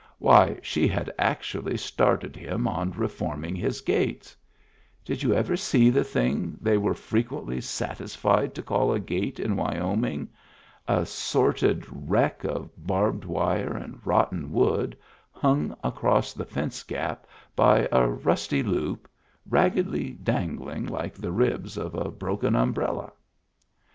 Why, she had actually started him on reforming his gates! Did you ever see the thing they were frequently satisfied to call a gate in Wyoming? A sordid wreck of barbed wire and rotten wood, hung across the fence gap by a rusty loop, raggedly dangling like the ribs of a broken umbrella.